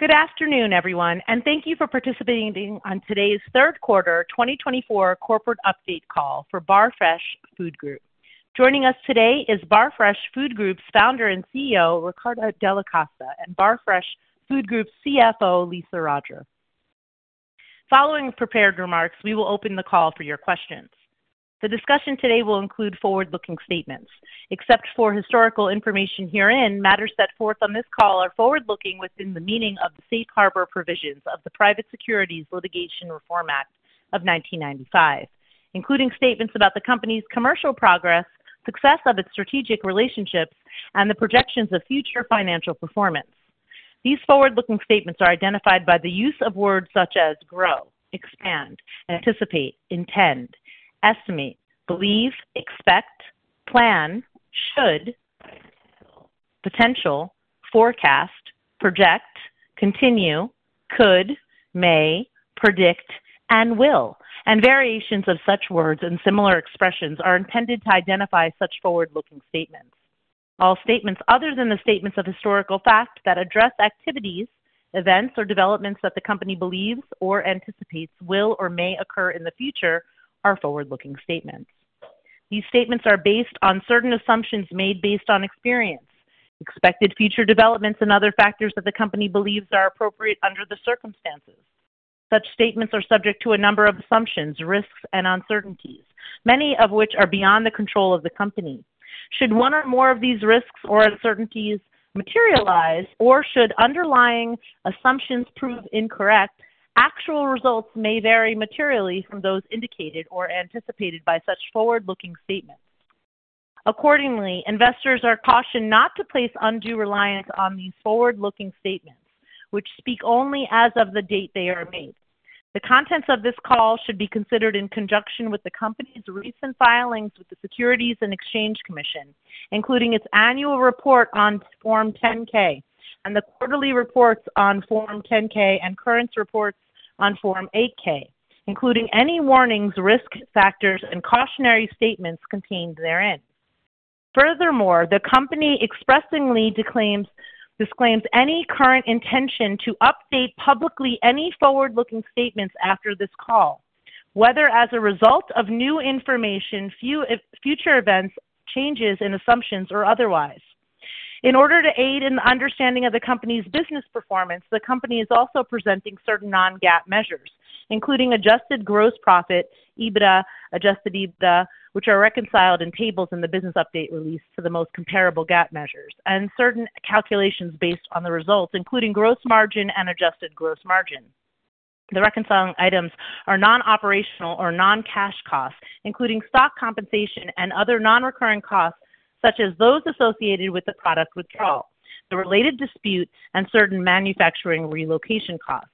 Good afternoon, everyone, and thank you for participating in today's third quarter 2024 corporate update call for Barfresh Food Group. Joining us today is Barfresh Food Group's founder and CEO, Riccardo Delle Coste, and Barfresh Food Group's CFO, Lisa Roger. Following prepared remarks, we will open the call for your questions. The discussion today will include forward-looking statements. Except for historical information herein, matters set forth on this call are forward-looking within the meaning of the Safe Harbor Provisions of the Private Securities Litigation Reform Act of 1995, including statements about the company's commercial progress, success of its strategic relationships, and the projections of future financial performance. These forward-looking statements are identified by the use of words such as grow, expand, anticipate, intend, estimate, believe, expect, plan, should, potential, forecast, project, continue, could, may, predict, and will, and variations of such words and similar expressions are intended to identify such forward-looking statements. All statements other than the statements of historical fact that address activities, events, or developments that the company believes or anticipates will or may occur in the future are forward-looking statements. These statements are based on certain assumptions made based on experience, expected future developments and other factors that the company believes are appropriate under the circumstances. Such statements are subject to a number of assumptions, risks and uncertainties, many of which are beyond the control of the company. Should one or more of these risks or uncertainties materialize, or should underlying assumptions prove incorrect, actual results may vary materially from those indicated or anticipated by such forward-looking statements. Accordingly, investors are cautioned not to place undue reliance on these forward-looking statements, which speak only as of the date they are made. The contents of this call should be considered in conjunction with the company's recent filings with the Securities and Exchange Commission, including its annual report on Form 10-K, the quarterly reports on Form 10-Q, and current reports on Form 8-K, including any warnings, risk factors and cautionary statements contained therein. Furthermore, the company expressly disclaims any current intention to update publicly any forward-looking statements after this call, whether as a result of new information, future events, changes in assumptions or otherwise. In order to aid in the understanding of the company's business performance, the company is also presenting certain non-GAAP measures, including adjusted gross profit, EBITDA, adjusted EBITDA, which are reconciled in tables in the business update release to the most comparable GAAP measures, and certain calculations based on the results, including gross margin and adjusted gross margin. The reconciling items are non-operational or non-cash costs, including stock compensation and other non-recurring costs, such as those associated with the product withdrawal, the related dispute, and certain manufacturing relocation costs.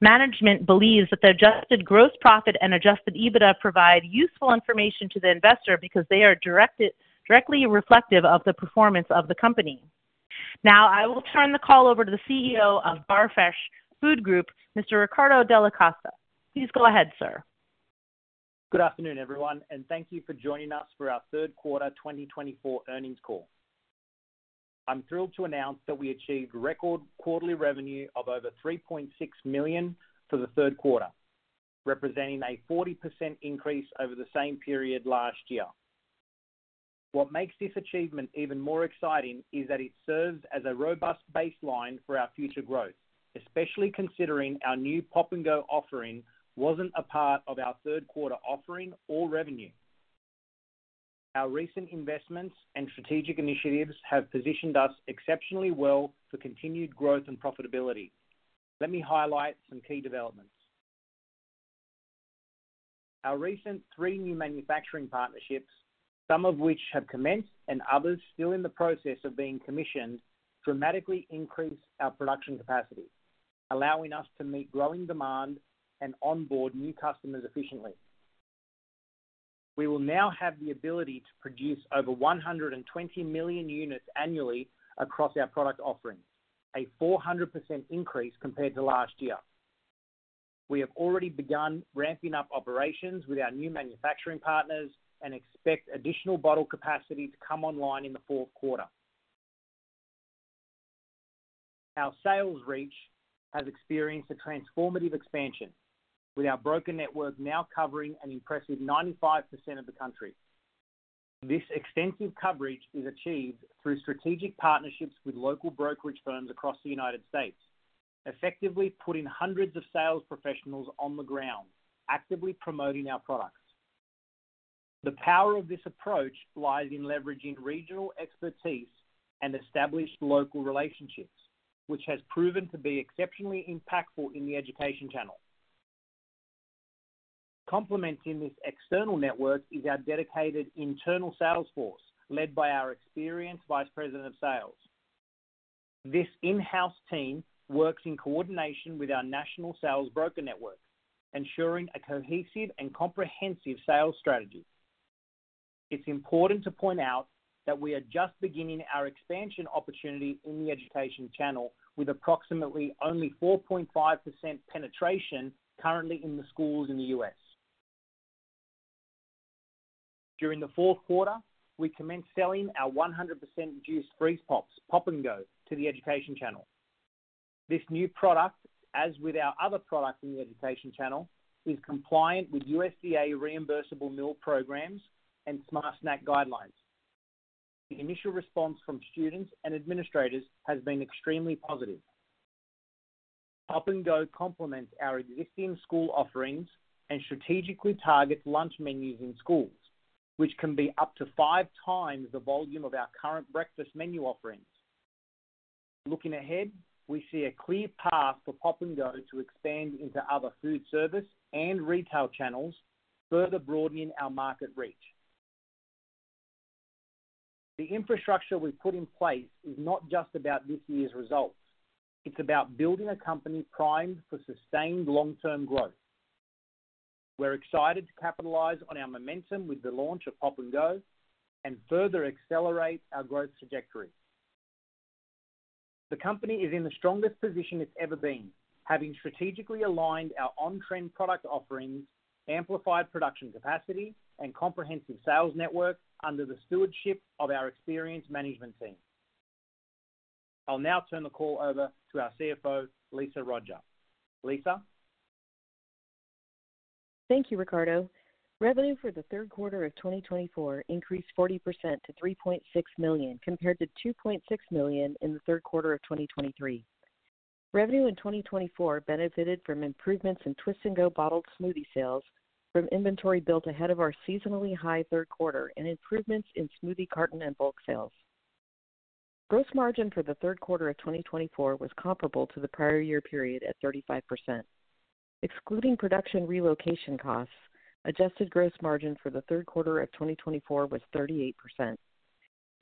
Management believes that the adjusted gross profit and adjusted EBITDA provide useful information to the investor because they are directly reflective of the performance of the company. Now, I will turn the call over to the CEO of Barfresh Food Group, Mr. Riccardo Delle Coste. Please go ahead, sir. Good afternoon, everyone, and thank you for joining us for our third quarter twenty twenty-four earnings call. I'm thrilled to announce that we achieved record quarterly revenue of over $3.6 million for the third quarter, representing a 40% increase over the same period last year. What makes this achievement even more exciting is that it serves as a robust baseline for our future growth, especially considering our new Pop & Go offering wasn't a part of our third quarter offering or revenue. Our recent investments and strategic initiatives have positioned us exceptionally well for continued growth and profitability. Let me highlight some key developments. Our recent three new manufacturing partnerships, some of which have commenced and others still in the process of being commissioned, dramatically increased our production capacity, allowing us to meet growing demand and onboard new customers efficiently. We will now have the ability to produce over one hundred and twenty million units annually across our product offerings, a 400% increase compared to last year. We have already begun ramping up operations with our new manufacturing partners and expect additional bottle capacity to come online in the fourth quarter. Our sales reach has experienced a transformative expansion, with our broker network now covering an impressive 95% of the country. This extensive coverage is achieved through strategic partnerships with local brokerage firms across the United States, effectively putting hundreds of sales professionals on the ground, actively promoting our products. The power of this approach lies in leveraging regional expertise and established local relationships, which has proven to be exceptionally impactful in the education channel. Complementing this external network is our dedicated internal sales force, led by our experienced vice president of sales. This in-house team works in coordination with our national sales broker network, ensuring a cohesive and comprehensive sales strategy. It's important to point out that we are just beginning our expansion opportunity in the education channel, with approximately only 4.5% penetration currently in the schools in the U.S. During the fourth quarter, we commenced selling our 100% juice freeze pops, Pop & Go, to the education channel. This new product, as with our other products in the education channel, is compliant with USDA Reimbursable Meal Programs and Smart Snack guidelines. The initial response from students and administrators has been extremely positive. Pop & Go complements our existing school offerings and strategically targets lunch menus in schools, which can be up to five times the volume of our current breakfast menu offerings. Looking ahead, we see a clear path for Pop & Go to expand into other food service and retail channels, further broadening our market reach. The infrastructure we've put in place is not just about this year's results, it's about building a company primed for sustained long-term growth. We're excited to capitalize on our momentum with the launch of Pop & Go and further accelerate our growth trajectory. The company is in the strongest position it's ever been, having strategically aligned our on-trend product offerings, amplified production capacity, and comprehensive sales network under the stewardship of our experienced management team. I'll now turn the call over to our CFO, Lisa Roger. Lisa? Thank you, Riccardo. Revenue for the third quarter of 2024 increased 40% to $3.6 million, compared to $2.6 million in the third quarter of 2023. Revenue in 2024 benefited from improvements in Twist & Go bottled smoothie sales from inventory built ahead of our seasonally high third quarter, and improvements in smoothie carton and bulk sales. Gross margin for the third quarter of 2024 was comparable to the prior year period at 35%. Excluding production relocation costs, adjusted gross margin for the third quarter of 2024 was 38%.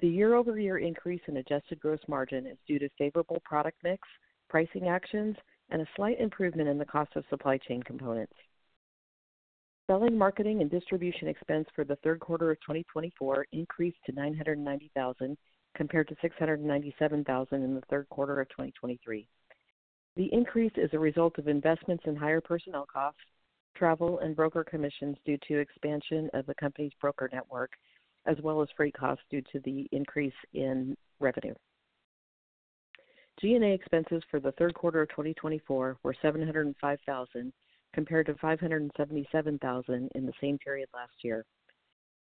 The year-over-year increase in adjusted gross margin is due to favorable product mix, pricing actions, and a slight improvement in the cost of supply chain components. Selling, marketing, and distribution expense for the third quarter of 2024 increased to $990,000, compared to $697,000 in the third quarter of 2023. The increase is a result of investments in higher personnel costs, travel, and broker commissions due to expansion of the company's broker network, as well as freight costs due to the increase in revenue. G&A expenses for the third quarter of 2024 were $705,000, compared to $577,000 in the same period last year.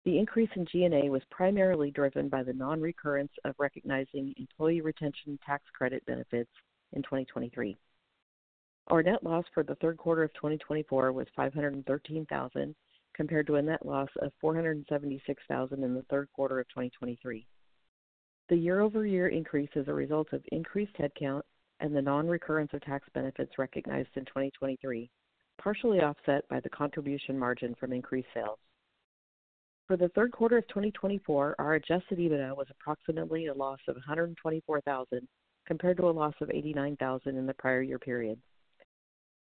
The increase in G&A was primarily driven by the nonrecurrence of recognizing Employee Retention Tax Credit benefits in 2023. Our net loss for the third quarter of 2024 was $513,000, compared to a net loss of $476,000 in the third quarter of 2023. The year-over-year increase is a result of increased headcount and the nonrecurrence of tax benefits recognized in 2023, partially offset by the contribution margin from increased sales. For the third quarter of 2024, our adjusted EBITDA was approximately a loss of $124,000, compared to a loss of $89,000 in the prior year period.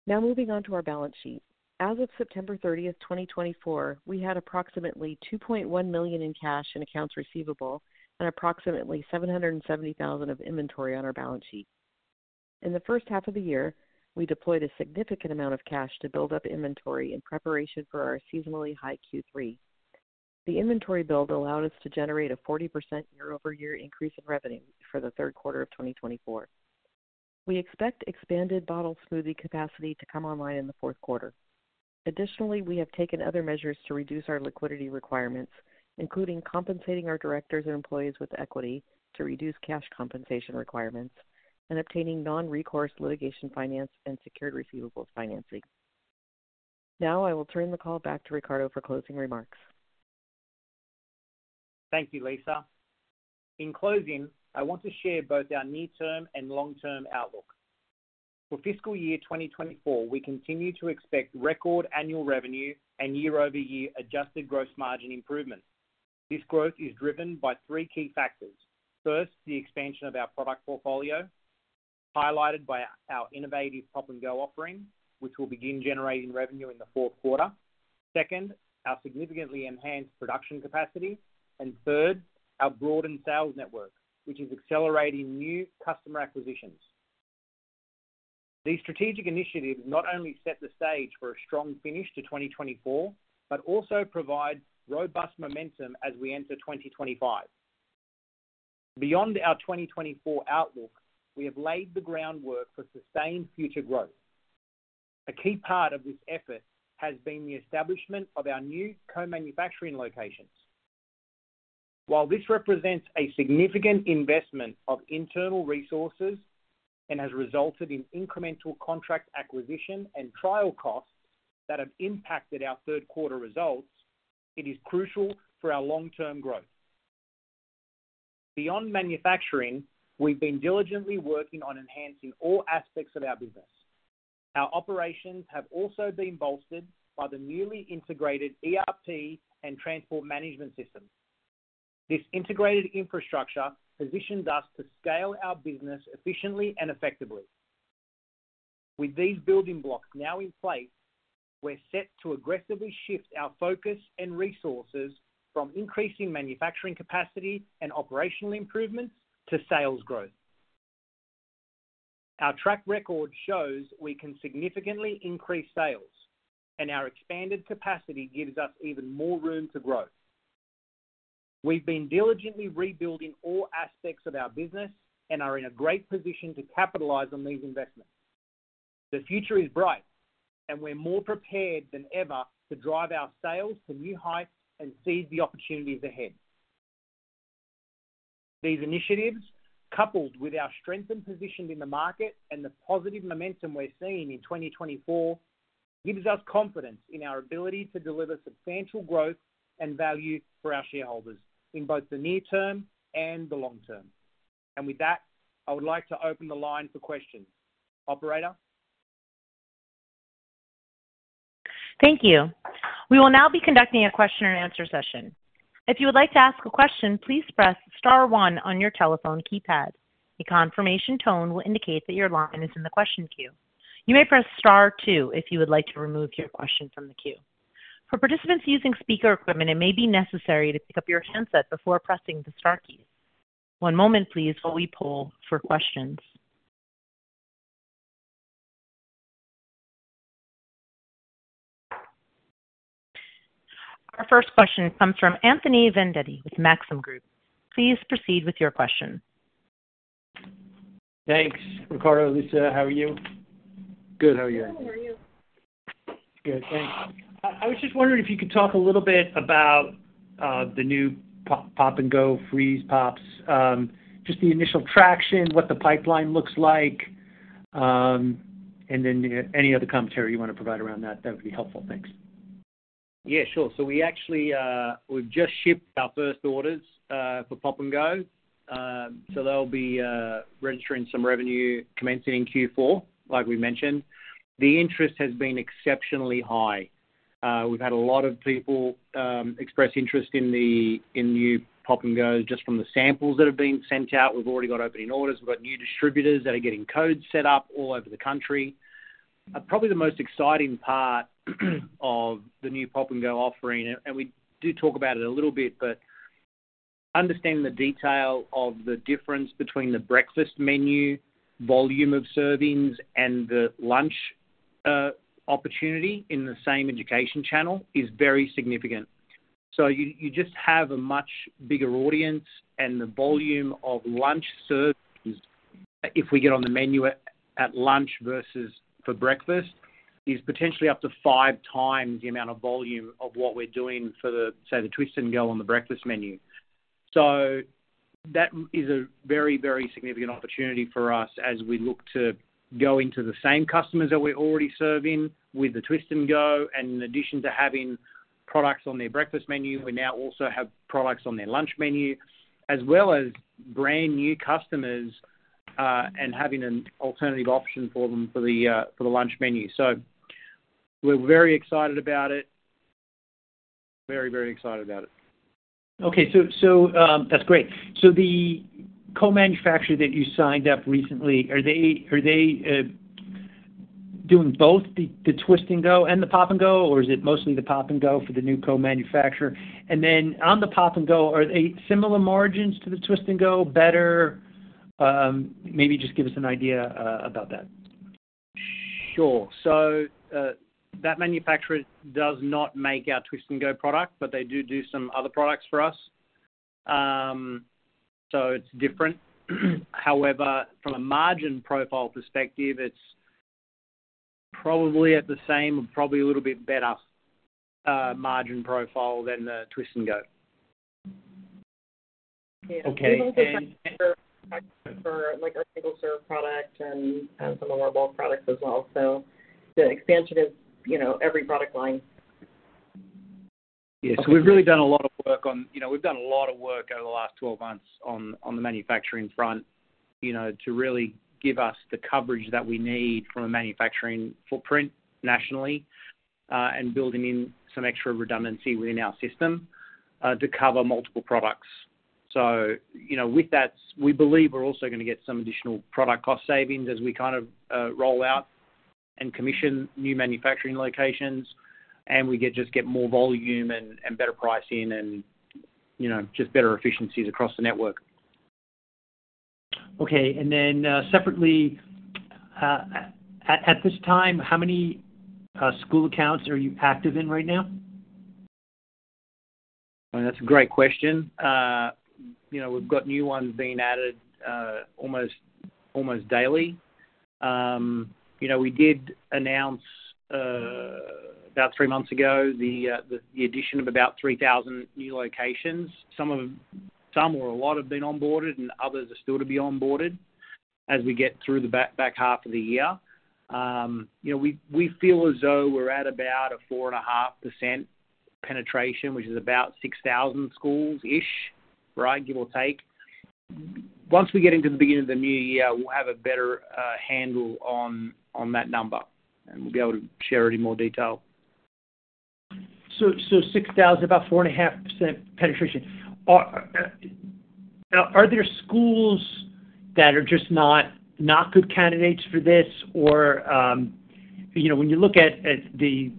Now, moving on to our balance sheet. As of September 30, 2024, we had approximately $2.1 million in cash and accounts receivable, and approximately $770,000 of inventory on our balance sheet. In the first half of the year, we deployed a significant amount of cash to build up inventory in preparation for our seasonally high Q3. The inventory build allowed us to generate a 40% year-over-year increase in revenue for the third quarter of 2024. We expect expanded bottled smoothie capacity to come online in the fourth quarter. Additionally, we have taken other measures to reduce our liquidity requirements, including compensating our directors and employees with equity to reduce cash compensation requirements, and obtaining non-recourse litigation finance and secured receivables financing. Now, I will turn the call back to Ricardo for closing remarks. Thank you, Lisa. In closing, I want to share both our near-term and long-term outlook. For fiscal year twenty twenty-four, we continue to expect record annual revenue and year-over-year adjusted gross margin improvement. This growth is driven by three key factors. First, the expansion of our product portfolio, highlighted by our innovative Pop & Go offering, which will begin generating revenue in the fourth quarter. Second, our significantly enhanced production capacity. And third, our broadened sales network, which is accelerating new customer acquisitions. These strategic initiatives not only set the stage for a strong finish to twenty twenty-four, but also provide robust momentum as we enter twenty twenty-five. Beyond our twenty twenty-four outlook, we have laid the groundwork for sustained future growth. A key part of this effort has been the establishment of our new co-manufacturing locations. While this represents a significant investment of internal resources and has resulted in incremental contract acquisition and trial costs that have impacted our third quarter results, it is crucial for our long-term growth. Beyond manufacturing, we've been diligently working on enhancing all aspects of our business. Our operations have also been bolstered by the newly integrated ERP and transport management systems. This integrated infrastructure positions us to scale our business efficiently and effectively. With these building blocks now in place, we're set to aggressively shift our focus and resources from increasing manufacturing capacity and operational improvement to sales growth... Our track record shows we can significantly increase sales, and our expanded capacity gives us even more room to grow. We've been diligently rebuilding all aspects of our business and are in a great position to capitalize on these investments. The future is bright, and we're more prepared than ever to drive our sales to new heights and seize the opportunities ahead. These initiatives, coupled with our strengthened position in the market and the positive momentum we're seeing in twenty twenty-four, gives us confidence in our ability to deliver substantial growth and value for our shareholders in both the near term and the long term. And with that, I would like to open the line for questions. Operator? Thank you. We will now be conducting a question and answer session. If you would like to ask a question, please press star one on your telephone keypad. A confirmation tone will indicate that your line is in the question queue. You may press star two if you would like to remove your question from the queue. For participants using speaker equipment, it may be necessary to pick up your handset before pressing the star keys. One moment please while we poll for questions. Our first question comes from Anthony Vendetti with Maxim Group. Please proceed with your question. Thanks, Ricardo. Lisa, how are you? Good. How are you? How are you? Good, thanks. I was just wondering if you could talk a little bit about the new Pop & Go freeze pops. Just the initial traction, what the pipeline looks like, and then any other commentary you want to provide around that, that would be helpful. Thanks. Yeah, sure. So we actually, we've just shipped our first orders for Pop & Go. So they'll be registering some revenue commencing in Q4, like we mentioned. The interest has been exceptionally high. We've had a lot of people express interest in the new Pop & Go, just from the samples that have been sent out. We've already got opening orders. We've got new distributors that are getting codes set up all over the country. Probably the most exciting part of the new Pop & Go offering, and we did talk about it a little bit, but understanding the detail of the difference between the breakfast menu, volume of servings, and the lunch opportunity in the same Education Channel is very significant. So you just have a much bigger audience, and the volume of lunch servings, if we get on the menu at lunch versus for breakfast, is potentially up to five times the amount of volume of what we're doing for the, say, the Twist & Go on the breakfast menu. So that is a very, very significant opportunity for us as we look to go into the same customers that we're already serving with the Twist & Go, and in addition to having products on their breakfast menu, we now also have products on their lunch menu, as well as brand new customers and having an alternative option for them for the lunch menu. So we're very excited about it. Very, very excited about it. Okay, so that's great. The co-manufacturer that you signed up recently, are they doing both the Twist & Go and the Pop & Go, or is it mostly the Pop & Go for the new co-manufacturer? And then on the Pop & Go, are they similar margins to the Twist & Go, better? Maybe just give us an idea about that. Sure. So, that manufacturer does not make our Twist & Go product, but they do do some other products for us. So it's different. However, from a margin profile perspective, it's probably at the same, probably a little bit better, margin profile than the Twist & Go. Okay, and- For, like, our single-serve product and some of our bulk products as well. So the expansion is, you know, every product line. Yeah. So we've really done a lot of work on, you know, we've done a lot of work over the last twelve months on, on the manufacturing front, you know, to really give us the coverage that we need from a manufacturing footprint nationally, and building in some extra redundancy within our system, to cover multiple products. So, you know, with that, we believe we're also gonna get some additional product cost savings as we kind of, roll out and commission new manufacturing locations, and we get, just get more volume and, and better pricing and, you know, just better efficiencies across the network. Okay. And then, separately, at this time, how many school accounts are you active in right now? That's a great question. You know, we've got new ones being added almost daily. You know, we did announce about three months ago the addition of about 3,000 new locations. Some or a lot have been onboarded, and others are still to be onboarded as we get through the back half of the year. You know, we feel as though we're at about a 4.5% penetration, which is about 6,000 schools-ish, right? Give or take. Once we get into the beginning of the new year, we'll have a better handle on that number, and we'll be able to share it in more detail. So, six thousand, about 4.5% penetration. Are there schools that are just not good candidates for this? Or... You know, when you look at the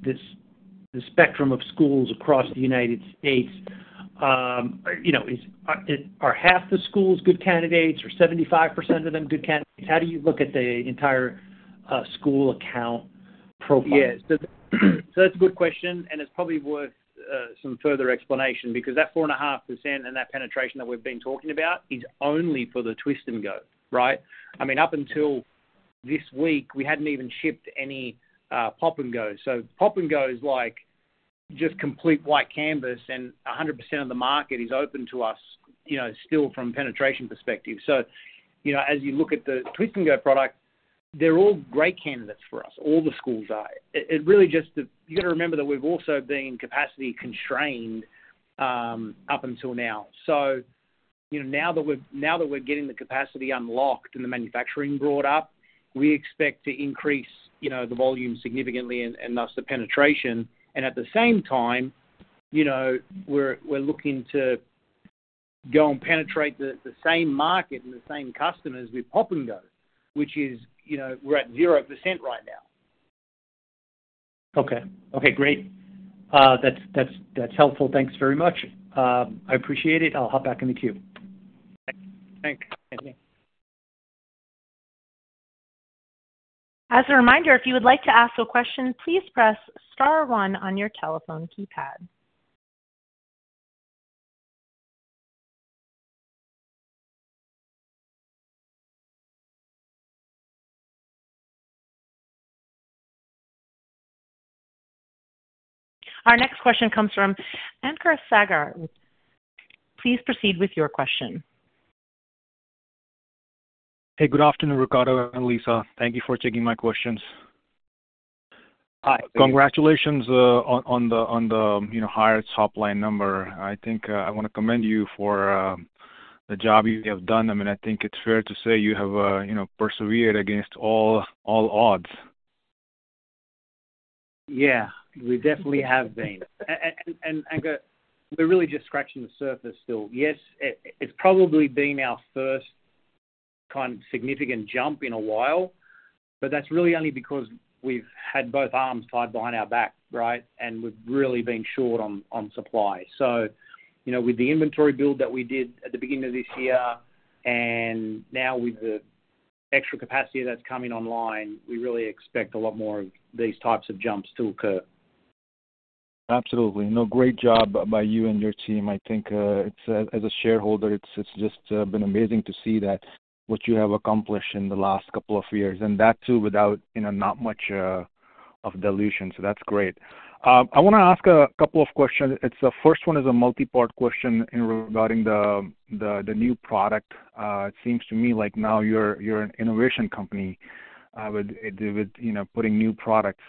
spectrum of schools across the United States, you know, are half the schools good candidates or 75% of them good candidates? How do you look at the entire school account profile? Yes. So that's a good question, and it's probably worth some further explanation because that 4.5%, and that penetration that we've been talking about is only for the Twist & Go, right? I mean, up until this week, we hadn't even shipped any Pop & Go. So Pop & Go is like, just complete white canvas, and 100% of the market is open to us, you know, still from a penetration perspective. So, you know, as you look at the Twist & Go product, they're all great candidates for us. All the schools are. It really just, you got to remember that we've also been capacity constrained up until now. So, you know, now that we're getting the capacity unlocked and the manufacturing brought up, we expect to increase, you know, the volume significantly and thus the penetration. And at the same time, you know, we're looking to go and penetrate the same market and the same customers with Pop & Go, which is, you know, we're at 0% right now. Okay. Okay, great. That's helpful. Thanks very much. I appreciate it. I'll hop back in the queue. Thanks. Thank you. As a reminder, if you would like to ask a question, please press Star One on your telephone keypad. Our next question comes from Ankur Sagar. Please proceed with your question. Hey, good afternoon, Ricardo and Lisa. Thank you for taking my questions. Hi. Congratulations on the, you know, higher top-line number. I think, I want to commend you for, the job you have done. I mean, I think it's fair to say you have, you know, persevered against all odds. Yeah, we definitely have been. And, Ankur, we're really just scratching the surface still. Yes, it, it's probably been our first kind of significant jump in a while, but that's really only because we've had both arms tied behind our back, right? And we've really been short on, on supply. So, you know, with the inventory build that we did at the beginning of this year, and now with the extra capacity that's coming online, we really expect a lot more of these types of jumps to occur. Absolutely. No, great job by you and your team. I think, it's, as a shareholder, it's just been amazing to see that, what you have accomplished in the last couple of years, and that too, without, you know, not much of dilution. So that's great. I want to ask a couple of questions. It's the first one is a multipart question in regarding the new product. It seems to me like now you're an innovation company, with, you know, putting new products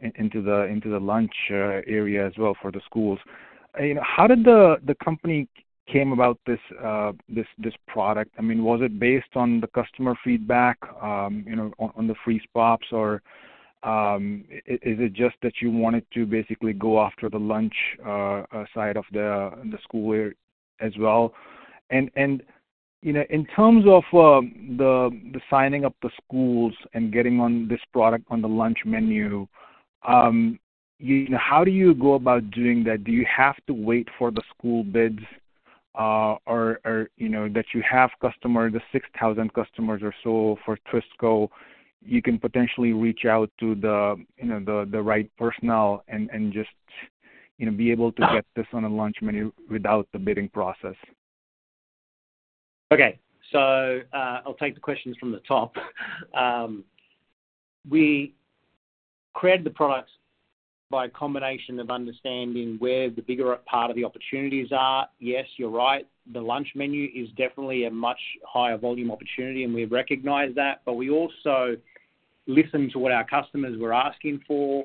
into the lunch area as well for the schools. How did the company came about this product? I mean, was it based on the customer feedback, you know, on the freeze pops? Or, is it just that you wanted to basically go after the lunch side of the school year as well? And you know, in terms of the signing up the schools and getting this product on the lunch menu, how do you go about doing that? Do you have to wait for the school bids, or you know that you have customers, the 6,000 customers or so for Twist & Go, you can potentially reach out to, you know, the right personnel and just you know, be able to get this on a lunch menu without the bidding process. Okay. So, I'll take the questions from the top. We created the products by a combination of understanding where the bigger part of the opportunities are. Yes, you're right, the lunch menu is definitely a much higher volume opportunity, and we recognize that, but we also listened to what our customers were asking for.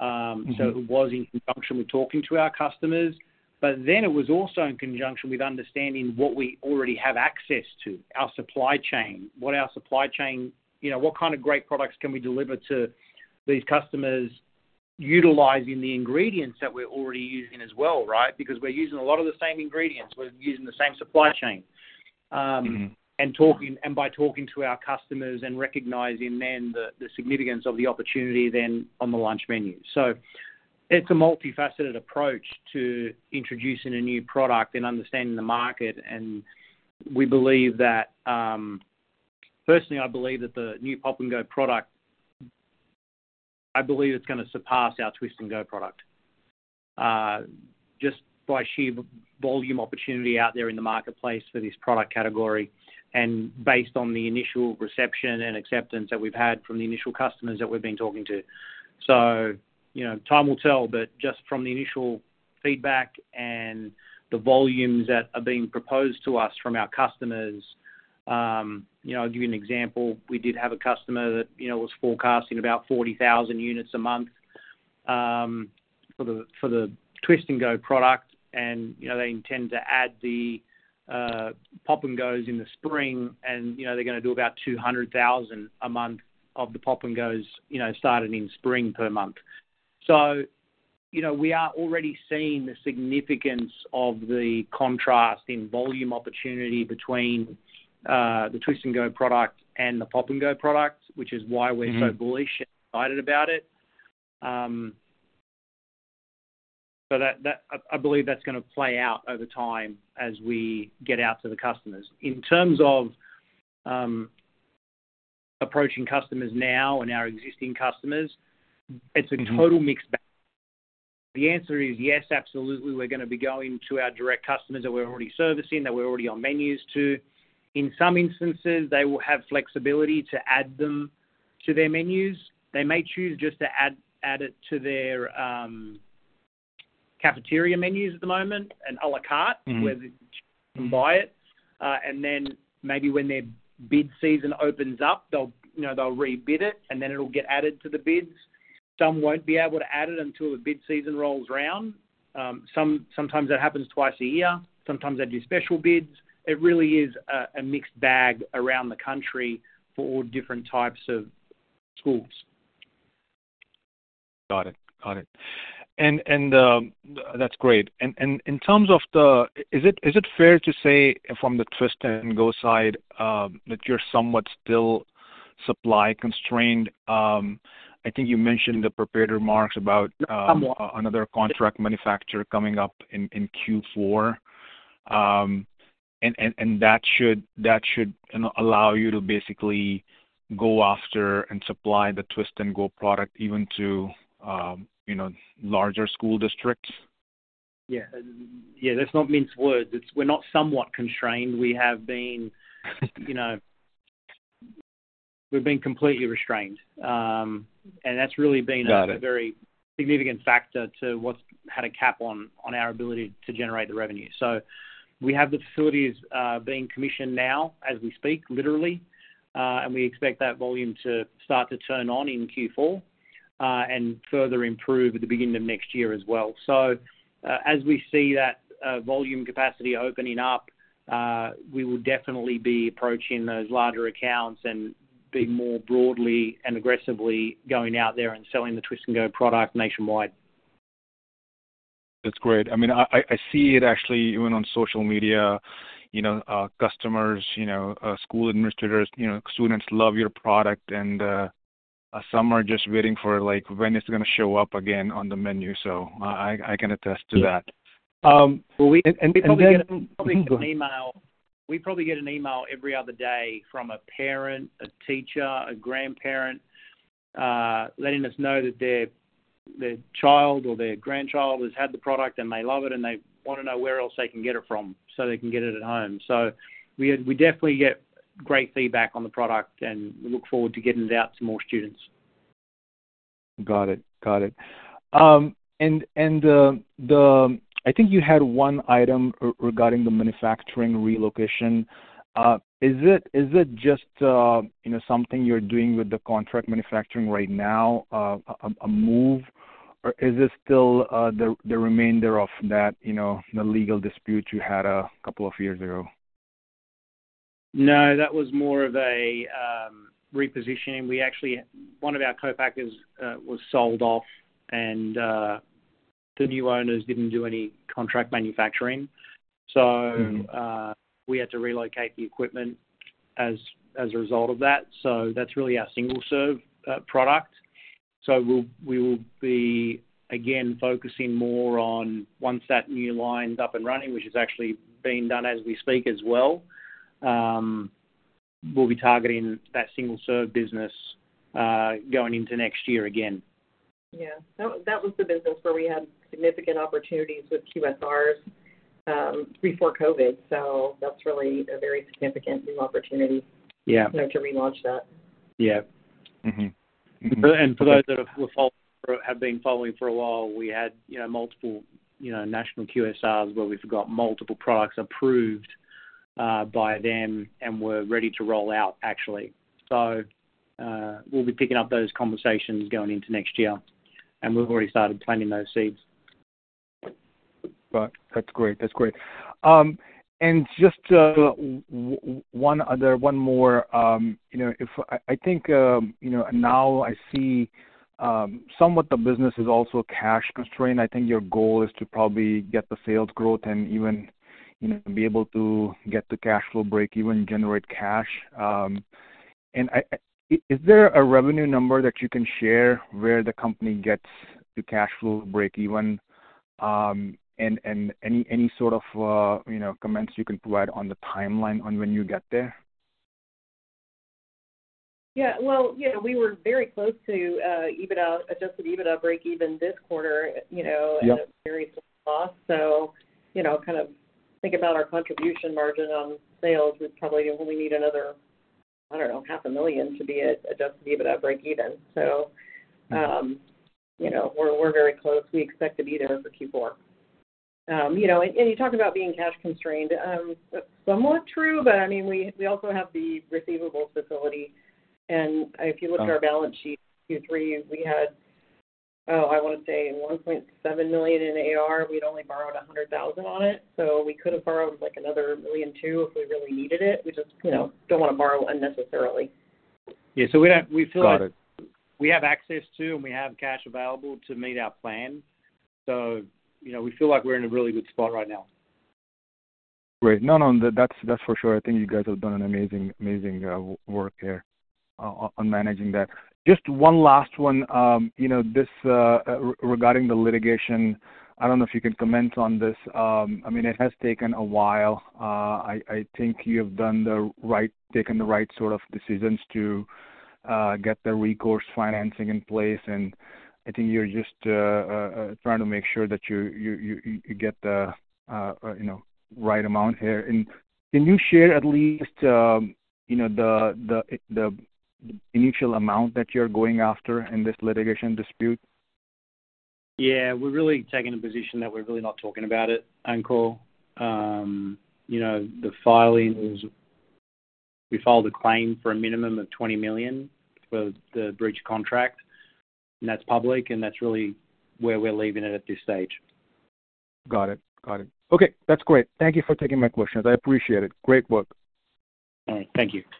So it was in conjunction with talking to our customers, but then it was also in conjunction with understanding what we already have access to, our supply chain. What our supply chain, you know, what kind of great products can we deliver to these customers, utilizing the ingredients that we're already using as well, right? Because we're using a lot of the same ingredients. We're using the same supply chain. And by talking to our customers and recognizing the significance of the opportunity on the lunch menu. So it's a multifaceted approach to introducing a new product and understanding the market, and we believe that, firstly, I believe that the new Pop & Go product, I believe it's gonna surpass our Twist & Go product, just by sheer volume opportunity out there in the marketplace for this product category, and based on the initial reception and acceptance that we've had from the initial customers that we've been talking to. So, you know, time will tell, but just from the initial feedback and the volumes that are being proposed to us from our customers, you know, I'll give you an example. We did have a customer that, you know, was forecasting about 40,000 units a month for the Twist & Go product, and, you know, they intend to add the Pop & Go's in the spring, and, you know, they're gonna do about 200,000 a month of the Pop & Go's, you know, starting in spring per month. You know, we are already seeing the significance of the contrast in volume opportunity between the Twist & Go product and the Pop & Go product, which is why we're so bullish and excited about it. So that I believe that's gonna play out over time as we get out to the customers. In terms of approaching customers now and our existing customers, it's a total mixed bag. The answer is yes, absolutely. We're gonna be going to our direct customers that we're already servicing, that we're already on menus to. In some instances, they will have flexibility to add them to their menus. They may choose just to add it to their cafeteria menus at the moment, an à la carte- Mm-hmm. -where they can buy it, and then maybe when their bid season opens up, they'll, you know, they'll rebid it, and then it'll get added to the bids. Some won't be able to add it until the bid season rolls around. Sometimes that happens twice a year. Sometimes they do special bids. It really is a mixed bag around the country for all different types of schools. Got it. Got it. And that's great. And in terms of the... Is it fair to say from the Twist & Go side that you're somewhat still supply constrained? I think you mentioned the prepared remarks about... Somewhat Another contract manufacturer coming up in Q4, and that should, you know, allow you to basically go after and supply the Twist & Go product even to, you know, larger school districts? Yeah. Yeah, let's not mince words. It's. We're not somewhat constrained. We have been, you know, we've been completely restrained. And that's really been- Got it... a very significant factor to what's had a cap on our ability to generate the revenue. So we have the facilities being commissioned now as we speak, literally, and we expect that volume to start to turn on in Q4, and further improve at the beginning of next year as well. So, as we see that volume capacity opening up, we will definitely be approaching those larger accounts and being more broadly and aggressively going out there and selling the Twist & Go product nationwide. That's great. I mean, I see it actually even on social media, you know, customers, you know, school administrators, you know, students love your product, and some are just waiting for, like, when it's gonna show up again on the menu. So I can attest to that. Yeah. And then- We probably get an- Mm-hmm. Go ahead.... email. We probably get an email every other day from a parent, a teacher, a grandparent, letting us know that their child or their grandchild has had the product, and they love it, and they wanna know where else they can get it from, so they can get it at home. So we definitely get great feedback on the product, and we look forward to getting it out to more students. Got it. Got it. And I think you had one item regarding the manufacturing relocation. Is it just you know something you're doing with the contract manufacturing right now, a move, or is this still the remainder of that you know the legal dispute you had a couple of years ago? No, that was more of a repositioning. We actually... One of our co-packers was sold off, and the new owners didn't do any contract manufacturing. Mm-hmm. We had to relocate the equipment as a result of that, so that's really our single-serve product. We will be, again, focusing more on once that new line is up and running, which is actually being done as we speak as well. We'll be targeting that single-serve business going into next year again. Yeah. That was the business where we had significant opportunities with QSRs, before COVID, so that's really a very significant new opportunity- Yeah you know, to relaunch that. Yeah. Mm-hmm. Mm-hmm. For those that have followed, have been following for a while, we had, you know, multiple, you know, national QSRs where we've got multiple products approved by them and were ready to roll out, actually. So, we'll be picking up those conversations going into next year, and we've already started planting those seeds. But that's great. That's great. And just one other, one more, you know, I think you know, now I see somewhat the business is also cash constrained. I think your goal is to probably get the sales growth and even, you know, be able to get to cash flow breakeven, generate cash. And is there a revenue number that you can share where the company gets to cash flow breakeven, and any sort of, you know, comments you can provide on the timeline on when you get there? Yeah, well, you know, we were very close to EBITDA, Adjusted EBITDA breakeven this quarter, you know. Yep -at a very slow loss. So, you know, kind of think about our contribution margin on sales, we'd probably only need another, I don't know, $500,000 to be at Adjusted EBITDA breakeven. Mm-hmm. So, you know, we're very close. We expect to be there for Q4. You know, and you talk about being cash constrained, that's somewhat true, but I mean, we also have the receivables facility. Sure. If you look at our balance sheet, Q3, we had, oh, I want to say $1.7 million in AR. We'd only borrowed $100,000 on it, so we could have borrowed, like, another $1.2 million if we really needed it. We just, you know, don't wanna borrow unnecessarily. Yeah, so we feel like- Got it... we have access to and we have cash available to meet our plan. So, you know, we feel like we're in a really good spot right now. Great. No, no, that's, that's for sure. I think you guys have done an amazing, amazing, work here on managing that. Just one last one. You know, this, regarding the litigation, I don't know if you can comment on this. I mean, it has taken a while. I think you have done the right, taken the right sort of decisions to get the recourse financing in place, and I think you're just trying to make sure that you get the, you know, right amount here. And can you share at least, you know, the initial amount that you're going after in this litigation dispute? Yeah, we're really taking the position that we're really not talking about it, Ankur. You know, the filings, we filed a claim for a minimum of $20 million for the breach contract, and that's public, and that's really where we're leaving it at this stage. Got it. Got it. Okay, that's great. Thank you for taking my questions. I appreciate it. Great work. All right. Thank you. Great.